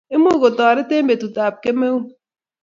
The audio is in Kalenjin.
imuchi kotoret eng petutap kemeut